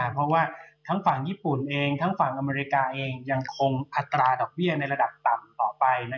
เพราะว่าทั้งฝั่งญี่ปุ่นเองทั้งฝั่งอเมริกาเองยังคงอัตราดอกเบี้ยในระดับต่ำต่อไป